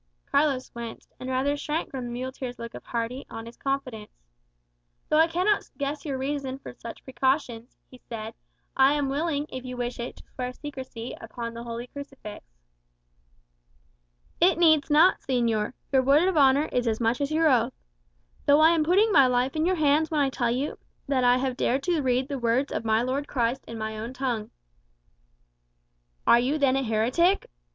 Carlos winced, and rather shrank from the muleteer's look of hearty, honest confidence. "Though I cannot guess your reason for such precautions," he said, "I am willing, if you wish it, to swear secrecy upon the holy crucifix." "It needs not, señor; your word of honour is as much as your oath. Though I am putting my life in your hands when I tell you that I have dared to read the words of my Lord Christ in my own tongue." "Are you then a heretic?"